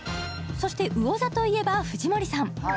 そしてうお座といえば藤森さん